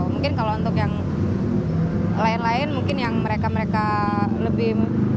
mungkin kalau untuk yang lain lain mungkin yang mereka mereka lebih